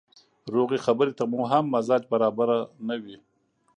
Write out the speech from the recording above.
روغې خبرې ته مو هم مزاج برابره نه وي.